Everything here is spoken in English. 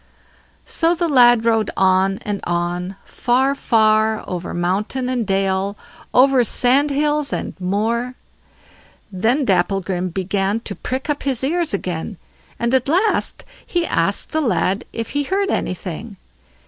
So the lad rode on and on—far far over mountain and dale, over sand hills and moor. Then Dapplegrim began to prick up his ears again, and at last he asked the lad if he heard anything?